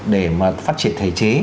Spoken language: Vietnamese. để mà phát triển thể chế